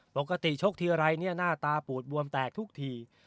ชกทีไรเนี่ยหน้าตาปูดบวมแตกทุกที